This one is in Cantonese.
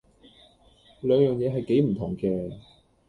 兩樣嘢係幾唔同嘅